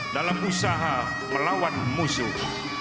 dalam usaha melawan musuh